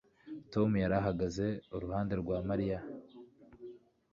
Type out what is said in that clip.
Tom yari ahagaze iruhande rwa Mariya